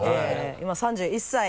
今３１歳。